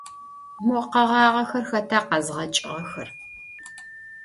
Mo kheğağexer xeta khezğeç'ığexer?